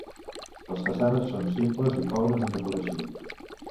Les façanes són simples i pobres en decoració.